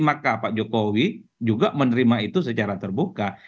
maka pak jokowi juga menerima itu secara terbuka